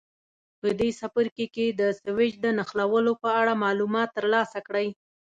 په دې څپرکي کې د سویچ د نښلولو په اړه معلومات ترلاسه کړئ.